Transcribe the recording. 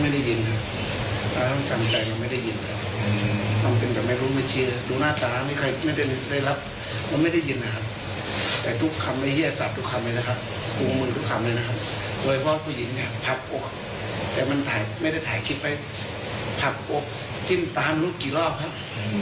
เราต้องทำอดทนแล้วก็ทำเป็นไม่ได้ให้ได้ยินนะครับ